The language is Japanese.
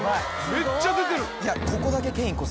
めっちゃ出てる！